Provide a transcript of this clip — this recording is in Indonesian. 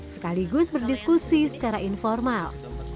sekaligus berdiskusi secara informal